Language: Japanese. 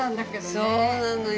そうなのよ。